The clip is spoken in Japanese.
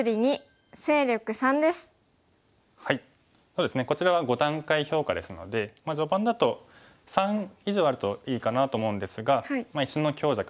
そうですねこちらは５段階評価ですので序盤だと３以上あるといいかなと思うんですが石の強弱